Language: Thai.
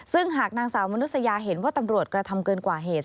ซึ่งหากนางสาวมนุษยาเห็นว่าตำรวจกระทำเกินกว่าเหตุ